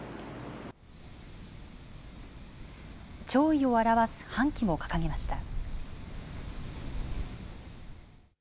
弔意を表す半旗も掲げました。